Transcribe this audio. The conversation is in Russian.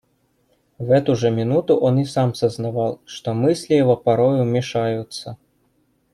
В эту же минуту он и сам сознавал, что мысли его порою мешаются.